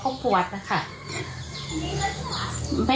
ตอนเด็ดนี้มันเสียใจกระโหกครับว่าเป็นแม่